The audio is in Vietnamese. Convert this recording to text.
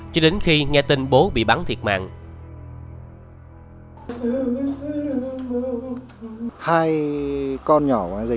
cho đến khi nghe tin bố bị bắn thiệt mạng